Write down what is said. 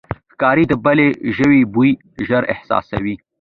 ښکاري د بلې ژوي بوی ژر احساسوي.